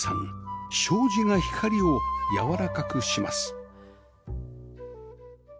障子が光をやわらかくします